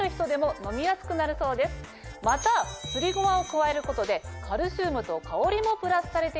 またすりごまを加えることでカルシウムと香りもプラスされています。